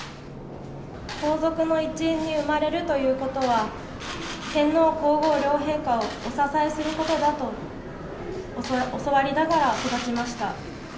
皇族の一員に生まれるということは、天皇皇后両陛下をお支えすることだと、教わりながら育ちました。